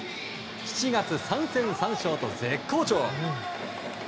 ７月、３戦３勝と絶好調。